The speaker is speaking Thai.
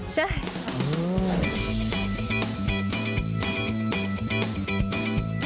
ใช่